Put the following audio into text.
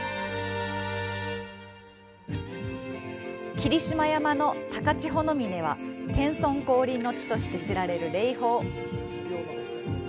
霧島山の高千穂峰は天孫降臨の地として知られる霊峰。